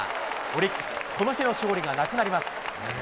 オリックス、この日の勝利がなくなります。